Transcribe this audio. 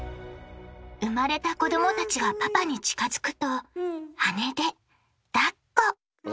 生まれた子どもたちがパパに近づくと羽でだっこ。